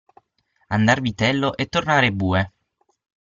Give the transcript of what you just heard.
Andar vitello e tornare bue.